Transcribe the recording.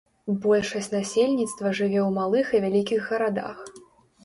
Большасць насельніцтва жыве ў малых і вялікіх гарадах.